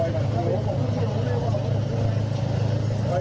ล้องแถนไอ้น้ำแผง